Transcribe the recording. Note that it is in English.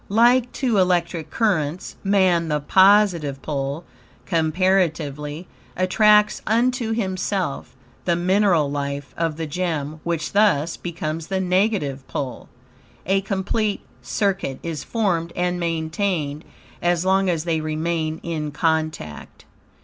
Like two electric currents, MAN, THE POSITIVE POLE (comparatively), attracts unto himself THE MINERAL LIFE OF THE GEM, which thus, becomes the negative pole. A complete circuit is formed and maintained, as long as they remain in contact.